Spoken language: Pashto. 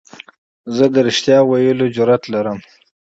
زه د حقیقت ویلو جرئت لرم.